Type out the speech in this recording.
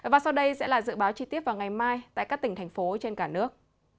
và sau đây sẽ là dự báo chi tiết vào ngày mai tại các tỉnh thành phố trên cả nước